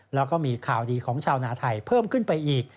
แล้วก็มีข่าวดีของชาวนาไทยเพิ่มขึ้นไปอีก